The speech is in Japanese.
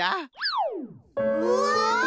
うわ！